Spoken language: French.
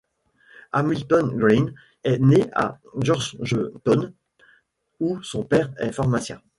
Hamilton Green est né à Georgetown où son père est pharmacien.